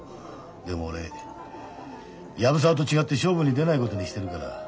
でも俺藪沢と違って勝負に出ないことにしてるから。